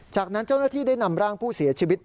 จากนั้นเจ้าหน้าที่ได้นำร่างผู้เสียชีวิต